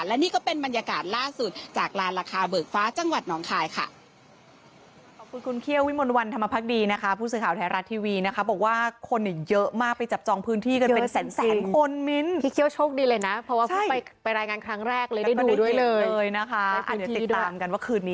และนี่ก็เป็นบรรยากาศล่าสุดจากลานราคาเบิกฟ้าจังหวัดหนองคายค่ะ